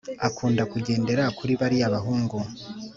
akunda kugendera kuri bariya bahungu